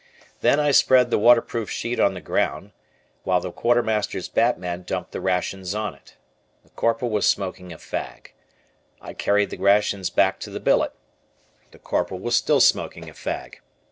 Then I spread the waterproof sheet on the ground, while the Quartermaster's Batman dumped the rations on it. The Corporal was smoking a fag. I carried the rations back to the billet. The Corporal was still smoking a fag.